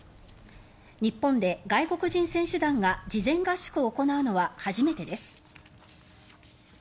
日本で外国人選手団が事前合宿を行うのは初めてです。